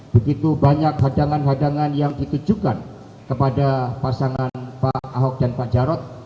begitu banyak hadangan hadangan yang ditujukan kepada pasangan pak ahok dan pak jarod